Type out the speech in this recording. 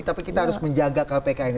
tapi kita harus menjaga kpk ini